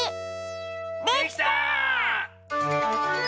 できた！